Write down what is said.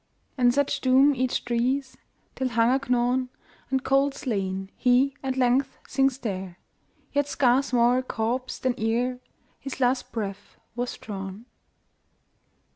And such doom each drees, Till, hunger gnawn, And cold slain, he at length sinks there, Yet scarce more a corpse than ereHis last breath was drawn.